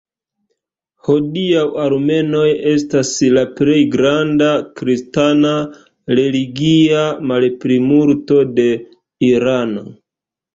Hodiaŭ armenoj estas la plej granda kristana religia malplimulto de Irano.